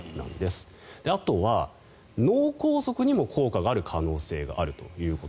あと、脳梗塞にも効果がある可能性があると。